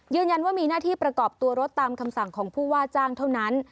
ยืนยันว่ามีหน้าที่ประกอบตัวรถตามคำสั่งของผู้ว่าจ้างเท่านั้น